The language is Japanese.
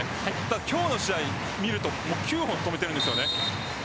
今日の試合見るともう９本止めているんです。